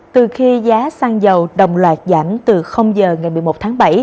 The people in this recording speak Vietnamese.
từ khi giá xăng dầu đồng loạt giảm từ giờ ngày một mươi một tháng bảy